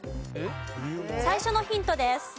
最初のヒントです。